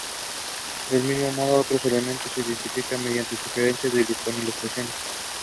Unseeded Matt Doyle won the singles title.